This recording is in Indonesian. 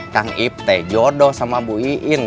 kang ipte jodoh sama bu iin